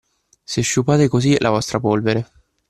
Se sciupate così la vostra polvere